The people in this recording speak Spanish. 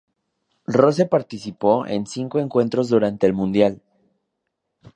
Rose participó en cinco encuentros durante el Mundial.